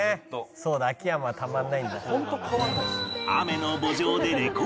そうだ秋山はたまんないんだ。